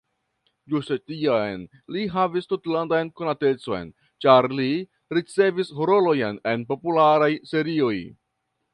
Ĝuste tiam li havis tutlandan konatecon, ĉar li ricevis rolojn en popularaj serioj.